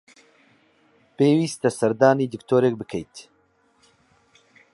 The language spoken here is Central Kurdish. پێویستە سەردانی دکتۆرێک بکەیت.